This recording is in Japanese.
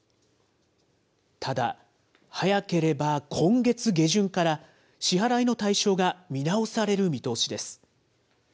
ただ、早ければ今月下旬から、支払いの対象が見直される見通しです。